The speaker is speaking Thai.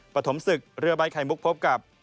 ปฐมศึกเรือใบไข่มุกพบกับ